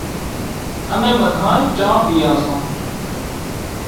اَمين ٻڌانئين چانه پيئان سان۔